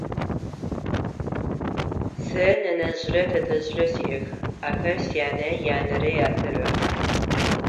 Сэ нэнэжърэ тэтэжърэ сиӏэх, ахэр сянэ янэрэ ятэрэ.